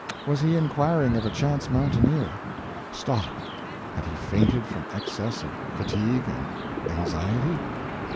Was he inquiring of a chance mountaineer? Stop, had he fainted from excess of fatigue and anxiety?